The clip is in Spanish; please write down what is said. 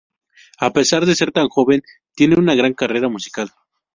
A pesar de ser tan joven, tiene una gran carrera musical.